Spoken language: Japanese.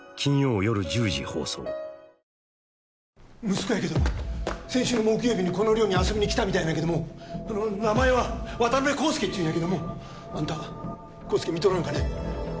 息子や先週の木曜日にこの寮に遊びにきたみたいなんやけども名前は渡辺康介っちゅうんやけどもあんた康介見とらんかね？